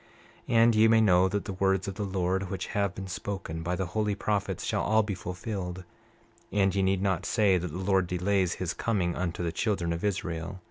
29:2 And ye may know that the words of the Lord, which have been spoken by the holy prophets, shall all be fulfilled; and ye need not say that the Lord delays his coming unto the children of Israel.